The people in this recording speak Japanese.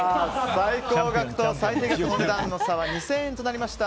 最高額と最低額のお値段の差は２０００円となりました。